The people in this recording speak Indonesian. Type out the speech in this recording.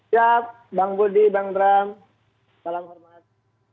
siap bang budi bang bram salam hormat